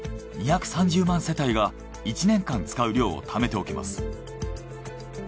２３０万世帯が１年間使う量をためておけます。